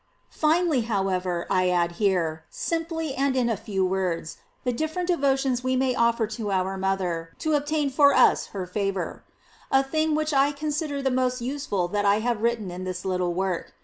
Finally, however, I add here, simply and in a few words, the different devotions we may offer to our mother, to obtain for us her favor; a thing which I consider the most useful that I have written in this little work.